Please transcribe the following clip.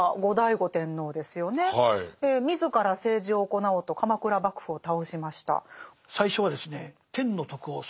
自ら政治を行おうと鎌倉幕府を倒しました。